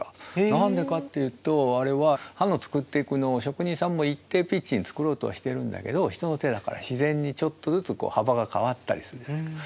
何でかっていうとあれは刃の作っていくのを職人さんも一定ピッチに作ろうとはしてるんだけど人の手だから自然にちょっとずつ幅が変わったりするじゃないですか。